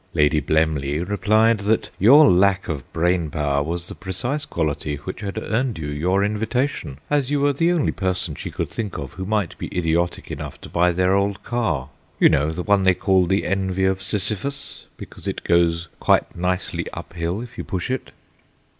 Lady Blemley replied that your lack of brain power was the precise quality which had earned you your invitation, as you were the only person she could think of who might be idiotic enough to buy their old car. You know, the one they call 'The Envy of Sisyphus,' because it goes quite nicely up hill if you push it."